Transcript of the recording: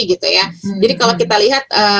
jadi kalau kita lihat